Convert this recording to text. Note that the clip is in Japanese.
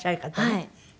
はい。